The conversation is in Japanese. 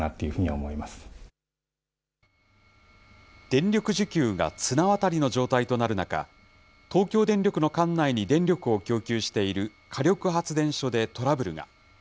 電力需給が綱渡りの状態となる中、東京電力の管内に電力を供給している火力発電所でトラブルが。